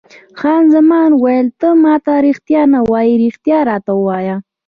خان زمان وویل: ته ما ته رښتیا نه وایې، رښتیا راته ووایه.